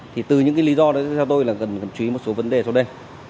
thì từ những lý do đó cho tôi là cần chú ý một số vấn đề sau đây